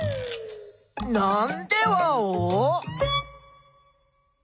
なんでワオ？